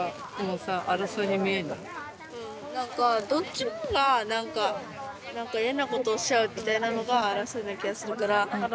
何かどっちもが何か何か嫌なことをしちゃうみたいなのが争いな気がするから。